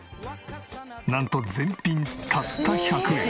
なんと全品たった１００円！